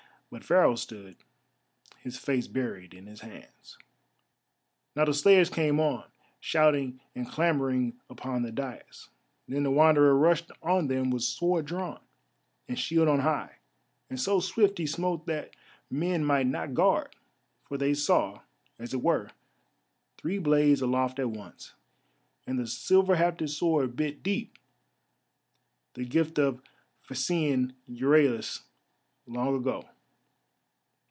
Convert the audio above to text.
But Pharaoh stood, his face buried in his hands. Now the slayers came on, shouting and clambering upon the daïs. Then the Wanderer rushed on them with sword drawn, and shield on high, and so swift he smote that men might not guard, for they saw, as it were, three blades aloft at once, and the silver hafted sword bit deep, the gift of Phæacian Euryalus long ago.